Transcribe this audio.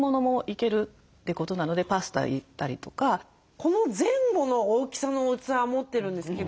この前後の大きさの器は持ってるんですけど。